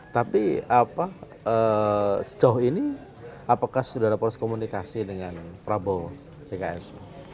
tapi sejauh ini apakah sudah ada pos komunikasi dengan prabowo pks